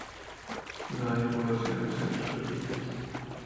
No hay poblaciones en sus orillas.